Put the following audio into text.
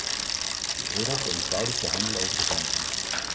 De euro vereenvoudigt de handel over de grenzen.